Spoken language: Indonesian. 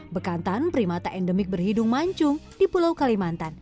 bekantan primata endemik berhidung mancung di pulau kalimantan